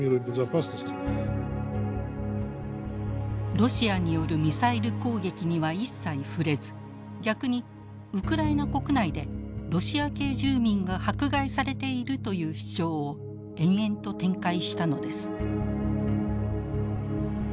ロシアによるミサイル攻撃には一切触れず逆にウクライナ国内でロシア系住民が迫害されているという主張を延々と展開したのです。